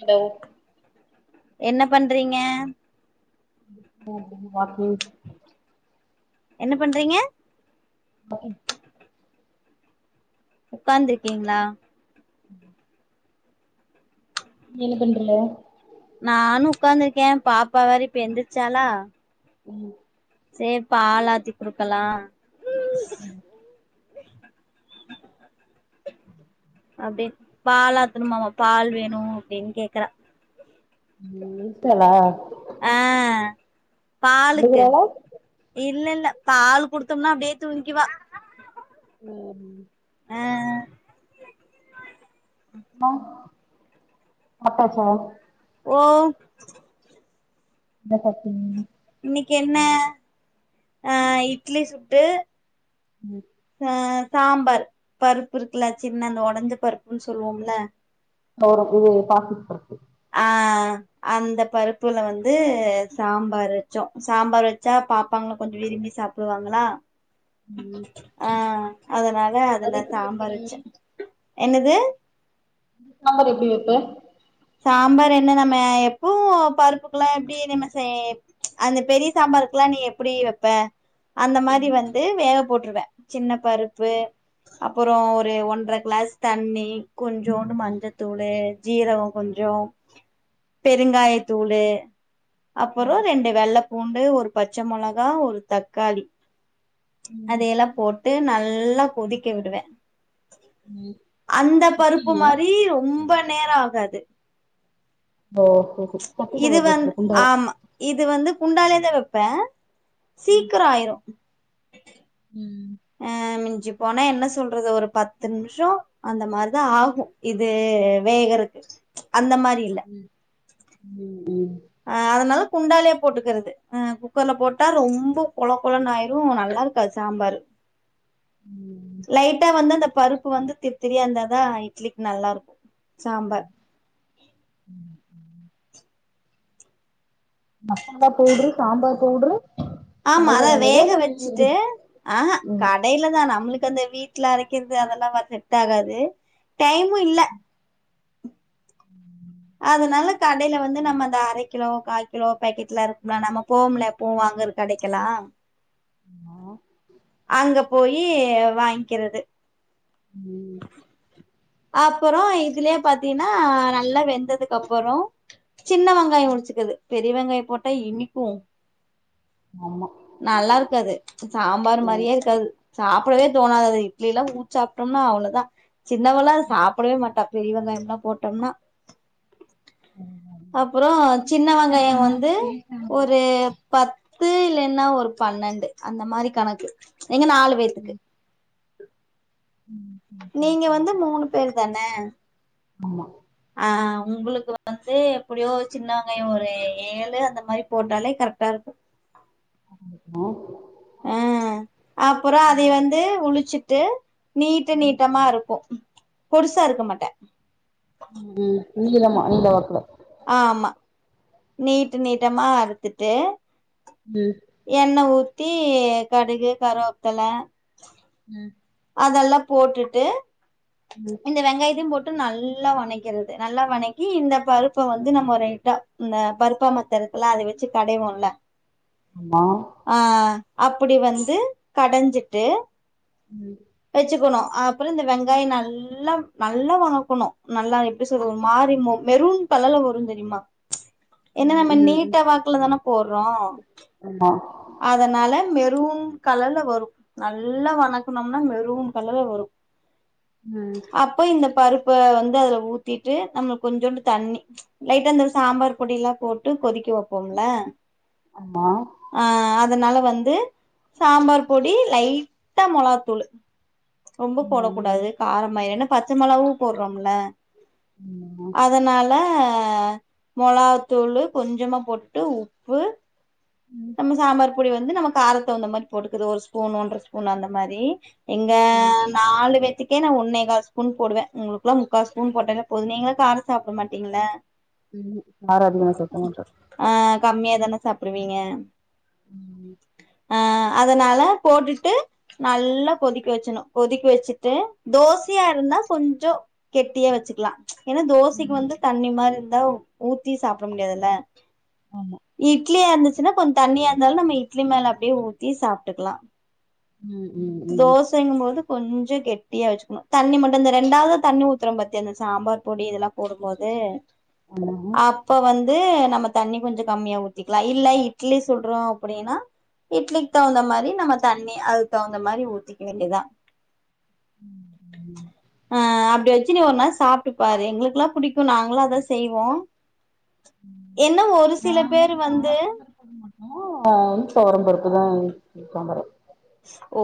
Hello என்ன பண்றீங்க walking என்ன பண்றிங்க மைன் உக்காந்துருக்கிங்ளா ம் நீ என்ன பண்றிங்க நானு உக்காந்துருக்கே பாப்பா வேற இப்ப எந்திரிச்சாலா ம் சேர் பால் ஆத்தி குடுக்கலா ம் அப்டி பால் ஆத்தணுமாமா பால் வேணு அப்டின் கேக்கறா ம் எந்ச்ட்டாலா ஆ அழுகுறாளா இல்லல்ல பால் குடுத்தம்னா அப்டியே தூங்கிக்வா சேரி ஆ அப்ற சாப்டாச்சா ஓ என்ன சாப்டிங்க இன்னிக்கு என்ன அ இட்லி சுட்டு ம் அ சாம்பார் பருப்பு இருக்குல்ல சின்ன அந்த ஒடஞ்ச பருப்புன் சொல்லுவோம்ல தொவர இது பாசிப்பருப்பு ஆ அந்த பருப்புல வந்து சாம்பார் வெச்சோ சாம்பார் வெச்சா பாப்பாங்க கொஞ்சோ விரும்பி சாப்புவாங்களா ம் ஆ அதனால அது அதுல எப்டி வெப்ப சாம்பார் நீ வெச்ச என்னது சாம்பார் எப்டி வெப்ப சாம்பார் என்ன நம்ம எப்பூ பருப்புக்குல்லா எப்டி நம்ம சே அந்த பெரிய சாம்பாருக்குலா நீ எப்படி வெப்ப அந்த மாதி ம் வந்து வேவ் போட்ருவ சின்னப் பருப்பு அப்புறோ ஒரு ஒன்ற க்ளேஸ் தண்ணி கொஞ்சோண்டு ம் மஞ்சதூளு ஜீரகொ கொஞ்சோ பெருங்காயத்தூளு அப்புறோ ம் ரெண்டு வெள்ளப் பூண்டு ஒரு பச்ச மொளகா ஒரு தக்காளி ம் அதையெலா போட்டு நல் ல்லா கொதிக்க விடுவே ம் அந்த பருப்பு சட்டிலியா மாரி ரொம்ப நேரா ஆகாது ஓ [unintelligible] குண்டாலே தா வெப்பே ம் சீக்ர ஆயிரு ம் ஆ மிஞ்சி போனா என்ன சொல்றது ஒரு பத்து நிமிஷம் அந்த மாரிதா ஆகும் இது வேகறதுக்கு ம் ம் ம் ஆ அதனால குண்டாலே போட்டுக்கிறது ஆ குக்கர்ல போட்டா ரொம்ப கொழ கொழனாயிரு நல்லாருக்காது சாம்பரு ம் ம் லைட்டா வந்தந்து பருப்பு வந்து திரு்-திரியா இருந்தாதா இட்லிக்கு நல்லா இருக்கும். சாம்பார் [inaudible] மசாலா பவுடுரு சாம்பார் பவுடுரு ஆமா அத வேக வச்சுட்டு ஆஹ்ஹ ம் கடையில தா நம்மளுக்கு அந்த வீட்ல அரைக்கிறது அதெல்லா வ செட் ஆகாது டைமும் இல்ல அதுனால, கடையில வந்து நம்ம அந்த அர கிலோ, கால் கிலோ பேக்கெட்லா இருக்ல நம்ம போம்லப் பூ வாங்குற கடைக்கெல்லா அங்க போய் இ வாங்க்கிறது ம்ம் அப்புறம் இதுலே பாத்தீன்னா நல்ல வெ ந்ததுக்கு அப்புறம் சின்ன வெங்காய உடிச்சுக்குது பெரிய வெங்காய போட்டா இனிக்கும் ஆமா நல்லாருக்காது சாம்பாரு ம் மாரியே இருக்காது சாப்டவே தோணாது அது இட்லிலா ஊச்சாப்ட்டம்னா அவ்ளுதா சின்னவல்லா அத சாப்டவே மாட்டா பெரிய வெங்காயலா போட்டம்னா இது வந்து அப்புறம், சின்ன வெங்காயம் நல்லா வந்து டேஸ்டா ஒரு பத் து இல்லென்னா ஒரு பன்னன்டு அந்த மாரி கணக்கு எங்க நாலு பேத்துக்கு ம் நீங்க வந்து மூணு பேரு தான ஆமா ஆ உங்குளுக்கு வந்து எப்படியோ சின்னவங்காயொ ஒரு ஏழு அந்த மாரி போட்டாலே கரெக்டா இருக்கு ம் அ அப்புற அதே வந்து உளிச்சிட்டு நீட்ட நீட்டமா இருக்கு பொருசா இருக்க மாட்ட ம் நீளமா நீள வாக்குல நீட்டு நீட்டமா அறுத்துட்டு ம் என்ன ஊத்தி டி கடுகு கருவேப்பல ம் அதல்லா போட்டுட்டு ம் இந்த வெங்காயத்தயு போட் நல்லா வணக்கிறது நல்லா வணக்கி இந்த பருப்ப வந்து நம்மொ ரைட்டா இந்த பருப்பாமத்து இருக்குல அதே வெச்சு கடைவோல்ல ஆமா அ அ அப்புடி வந்து கடஞ்சிட்டு ம் சிக்குணு அப்புற இந்த வெங்காயொ நல்லா நல்லா வணக்குணு நல்லா எப்டி சொல்றத் ஒரு மாரி மொ மெரூன் கலர்ல வருந் தெரியுமா ஏன்னா ம் நம்ம ம் ம் நீட்டா வாக்குல தான போற்றோ ஆமா அதனால மெரூன் கலர்ல வரும் நல்லா வணக்குனம்னா மெரூன் கலர்ல வரு ம் அப்போ இந்த பருப் இப்ப வந்து அதுல ஊத்திட்டு நம்ம கொஞ்சூண்டு தண்ணி ப்ச் லைட்டா அந்த சாம்பார் பொடியல்லா போட்டு கொதிக்க வைப்போம்ல அம்மா அஹ் அதனால வந்து சாம்பார் பொடி லைட்டா மொளாத்தூள்ளு ரொம்ப ம் போடக்கூடாது காரமா ஆயிடு ஏனா பச்ச மொளவாவூ போடுறோம்ல ஆமா ம் ம் அதனால க மொளகாத்தூளு கொஞ்சமா போட்டு உப்பு ம் நம்ம சாம்பார் பொடி வந்து நம்ம காரத் தகுந்த மாரி போட்டுக்கறது ஒரு ஸ்பூன் ஒன்ற ஸ்பூன் அந்த மாரி எங்க நாலு வேத்திக் கே நா ஒன்னே கால் ஸ்பூன் போடுவே உங்களுக்கெல்லா முக்கா ஸ்பூன் போட்டாலே போது நீங்கதா காரோ சாப்ட மாட்டீங்கல்ல ம்ஹு காரோ அதிகமா சாப்ட மாட்டே சாப்ட்ருவீங்க அ அதனால போட்டுட்டு நல்லா கொதிக்க வெச்சணு கொதிக்க வெச்சிட்டு தோசையா இருந்தா கொஞ்சோ கெட்டியா வச்சுக்லா ஏன்னா தோசைக்கு ம் வந்து தண்ணி மாரி இரு தோ ஊத்தி சாப்ட முடியாதில்ல ஆமா ஈத் இட்லியா இருந்துச்சுன்னா கொ தண்ணியா இருந்தாலு நம்ம இட்லி மேல அப்டியே ஊத்தி சாப்ட்டுக்கலா ம் ம் ம் தோசைங்கும் போது கொஞ்சோ கெட்டியா வச்சுக்கணு தண்ணி மட்டு அந்த ரெண்டாவது தண்ணி ஊத்தரோ பாத்தியா அந்த சாம்பார் பொடி இதெல்லா போடும்போது ஆமா அப்ப வந்து நம்ம தண்ணி கொஞ்சோ கம்மியா ஊத்திக்கலா இல்ல இ இட்லி சுட்றோ அப்படின்னா இட்லிக் தகுந்த மாரி நம்ம தண்ணி அதுக் தகுந்த மாரி ஊத்திக்க வேண்டியதா ஆ அப் இப்டி வெச்சு நீ ஒரு நாள் சாப்ட்டுப்பாரு எங்களுக்கெல்லா புடிக்கு நாங்களா அதா செய்வோ என்ன ஒரு சில பேரு வந்து நா வந்து தொவரம்பருப்பு தா [inaudible] சாம்பார் வெப் ஸ் ஓ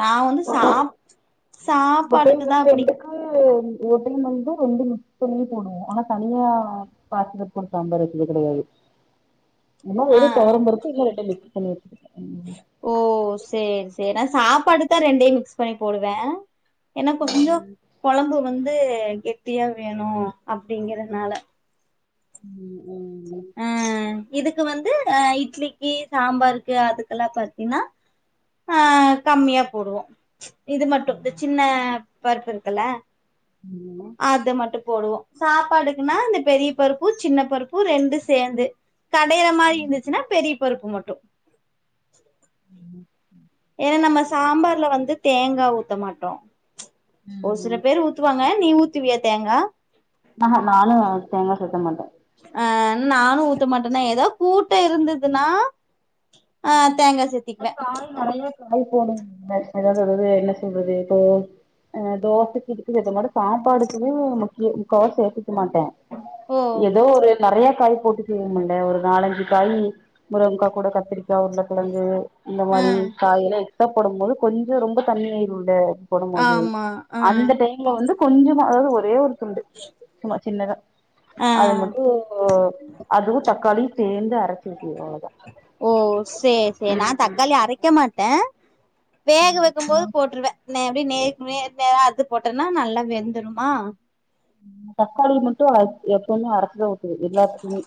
நா வந்து சாப் சாப்பாடுக்கு தா அப்டி ஒவ்வோர் டைம் வந்து ரெண்டு மிக்ஸ் பண்ணி போடுவோ ஆனா தனியா பாசிப்பருப் போட் சாம்பார் வெச்சது கெடயாது இல்ல ஆ வெறு ஆ தொவரம் பருப்பு இல்ல ரெண்டயு மிக்ஸ் [inaudible] அலோ [inaudible] ஓ சேரி சேரி நா சாப்பாடுக் தா ரெண்டயு மிக்ஸ் பண்ணி போடுவே ஏன்னா கொஞ்சோ ம் கொழம்பு வந்து ந்து கெட்டியா அப்டிங்கறனால ம் ம்ம் கு வந்து இட்லிக்கு சாம்பாருக்கு அதுக்கெல்லாம் பாத்தீங்ன்னா ஆ கம்மியா போடுவோம் இது மட்டும் இந்த சின்ன பருப்பு இருக்குல்ல ம் அத மட்டும் போடுவோம் சாப்பாடுக்குன்னா இந்த பெரிய பருப்பு சின்ன பருப்பு ரெண்டு சேர்ந்து கடையற மாரி இருந்துச்சுன்னா பெரிய பருப்பு மட்டும் ஏன்னா நம்ம சாம்பார்ல வந்து தேங்காய் ஊத்த மாட்டோம் ஒரு சில ம் பேர் ஊத்துவாங்க நீ ஊத் துவியா தேங்கா ந நானும் தேங்காய் சுத்த மாட்டேன் ஆ நானும் ஊத்த மாட்ட ஏதாவது கூட்டு முட்ட இருந்ததுனா ஆ தேங்காய் சேத்திக்குவேன் ஆய போன் சொல்லறது என்ன சொல்லறது இப்போ அ தோஸ்த கதுக்குதமாட சாப்பாடுக்கு முக்கிய முக்காவா சேர்த்துக்க மாட்டேன் ஓ ஏதோ ஒரு நறைய காயு போட்டு செய்வ முல ஒரு நாலஞ்சு காய் முருகங்கக்காய் கூட கத்திரி கா உருல கிழங்கு இந்த ஆ மாரி காயில க போடும் போது கொஞ்சம் ரொம்ப தண்ணிய ஆயிடல போடும் போது ஆமா ஆ அந்த டைம்ல வந்து கொஞ்சமா அதாவது ஒரே ஒரு துண்டு சுமா சின்னதா ஆ அது மட்டும் அதுவும் தக்காளியும் சேர்ந்து அரைச்சு [unintelligible] அவளதான் ஓ சேரி சேரி நான் தக்காளி அரைக்க மாட்டேன் வேக வைக்கும் நா போது போட்ருவேன் ந எப்படி நே அது போட்டேன்னா நல்லா வெந்துடுமா தக்காளி மட்டும் எப்பவுமே அரச்சு தான் ஊத் எல்லாத்துக்குமே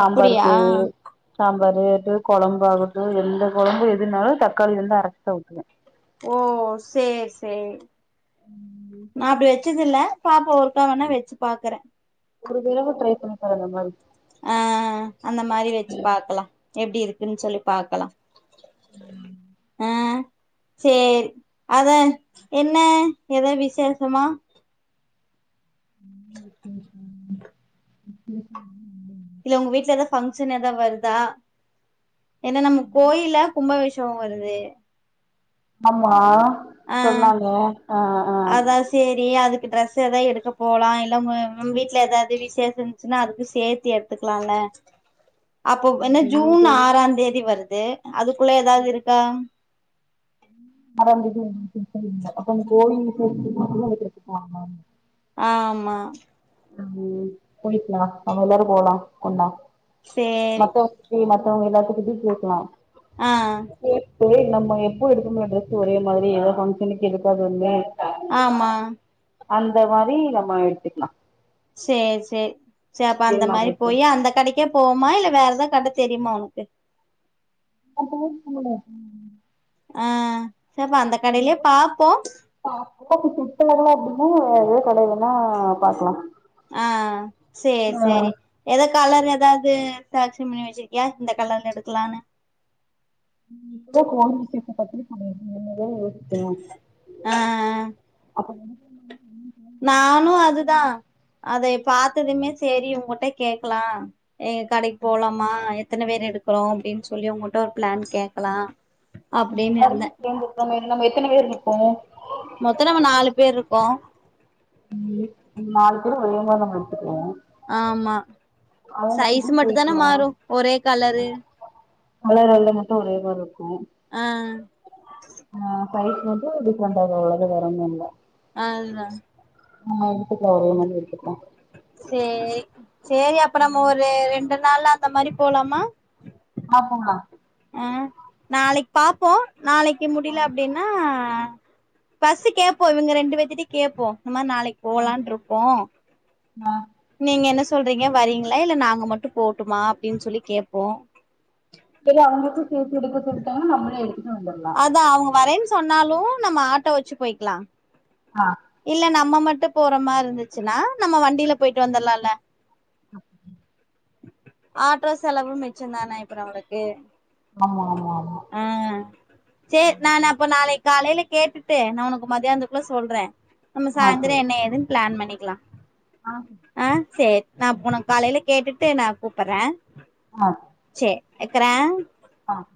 அப்படியா சாம் வரையட்டு குழம்பு ஆகட்டும் எந்த குழம்பு எதுனாலும் தக்காளி இருந்து அரைச்சிதா ஊத்துவேன் ஓ சேரி சேரி நான் அப்படி வ வச்சதுல்ல பாப்பா ஒருக்கா வேனா வச்சு பாக்குறேன் ஒரு வேட ட்ரை பண்ணி பாரு அந்த மாரி ஆ அந்த மாரி வச்சு பாக்கலாம் எப்படி இருக்குன்னு சொல்லி பாக்கலாம் ம் ஆ சேரி அத என்ன எதோ விசேஷமா [inaudible] இல்ல உங்க வீட்ல ஏது பங்க்ஷன் ஏதாவருதா என்னா நம்ம கோயிலா கும்ப விஷம் தூக்கம் வருது ஆமா ஆ சொன்னாங்க ஆ ஆ அதான் சேரி அது ட்ரெஸ் ஏதாவது எடுக்க போலா இல்ல வீட்டுல ஏதாவது விசேஷம் இருச்சுன்னா அதுக்கு சேர்த்து எடுத்துக்கலாம்ல அப்போ என்ன ஜூன் ஆறான் தேதி வருது தே [unintelligible] அதுக்குள்ள ஏதாவது இருக்கா [inaudible] கோயில ஆமா ஆஹ போயக்கலா நம்ம எல்லாரு போலா ஒண்ண சேரி மத்த ம அவுங்க எல்லாத்துக்கு கிட்ட கேக்கலா ஆ செரி நம்ம எப்போ எடுக்க முடியல டிரெஸ் ஒரே மாரி ஏதாவது ஃபங்க்ஷனுக்கு இருக்காதுன்னு ஆமா அந்த மாரி நம்ம எடுத்துக்கலா செரி செரி சேப்ப அந்த மாரி போயி அந்த கடைக்கே போமா இல்ல வேற ஏதாவ கட தெரியுமா உனக்கு [unintelligible] ஆ சேப்பா அந்த கடையிலயே [unintelligible] பாப்போ [unintelligible] பாக்கலா ஆஹ் செரி ஆ செரி எத கலர் ஏதாவது செலக்ஷன் பண்ணி வச்சிருக்கியா இந்த கலர்ல எடுக்கலான்னு நீ இப்ப கோ [unintelligible] ஆ [unintelligible] நானு அதுதான் அத பாத்ததுமே செரி உங்ககிட்ட கேக்கலா எங்க கடைக் போலாமா எத்தன பேர் எடுக்கிறோ அப்டின்னு சொல்லி உங்கிட்ட ஒரு பிளான் கேட்கலா அப்டின்னு எல்லாருமே இருந்தே சேந்து நம்ம நம்ம எத்தன பேர் இருக்கோ மொத்த நம்ம நாலு பேர் இருக்கோ உம் நாலு பேர் [unintelligible] ஆமா சைஸ் கிட்ட மட்டு தான கேக்கலா மாறு ஒரே கலரு அதுல ரொண்டு மட்டு ஒரே [unintelligible] ஆ ஆ சைஸ் மட்டு டிப்ரெண்ட் ஆகு அவ்ளோதா வேற ஒண்ணு இல்ல அதுதா ஆஹ் எடுத்துக்லா ஒரே நாலு எடுத்துக்கலா சேரி சேரி அப்ப நம்ம ஒரு ரெண் ரெண்டு நாள்ல அந்த மாரி போலாமா ஆ போங்லா ஆஹ் நாளைக் பாப்போ நாளைக்கு முடில அப்டின்னா பஸ்டு கேப்போ இவங்க ரெண்டு பேத்திட்டயு கேட்போ இந்த மாரி நாளைக் போகலான்ருக்கோ ஆஹ் நீங்க என்ன சொல்றீங்க வரீங்களா இல்ல நாங்க மட்டும் போட்டுமா அப்டின்னு சொல்லி கேப்போ இல்ல அவங்களுக்கும் சேத்து எடுக்க சொல்லிட்டாங்கனா நம்மளே எடுத்து அதான் அவங்க வரேன்னு சொன்னாலும் நம்ம ஆட்டோ வச்சு போய்க்கலா ஆஹ் இல்ல நம்ம மட்டும் போற மாரி இருந்துச்சுன்னா நம்ம வண்டில போய்ட்டு வந்துரலால்ல ஆட்டோ செலவும் மிச்ச தான இப்ப நம்மளுக்கு ஆமா ஆமா ஆமா ஆஹ் செரி நான் நான் அப்போ நாளைக் காலைல கேட்டுட்டு நான் உனக்கு மதியானத்துக்குள்ள சொல்றேன் நம்ம ஆ சரி சாயந்தரம் என்ன ஏதுன்ன பிளான் பண்ணிக்க க்லா ஆ சரி ஆஹ் செரி நா அப்போ உனக் காலைல கேட்டுட்டு நா கூப்புறேன் செரி வெக்கர ஆஹ்